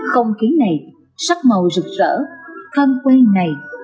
không khí này sắc màu rực rỡ thân quen này